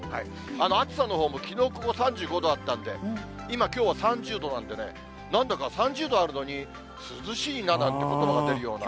暑さのほうもきのうここ、３５度あったんで、今、きょうは３０度なんでね、なんだか３０度あるのに涼しいななんてことばも出るような。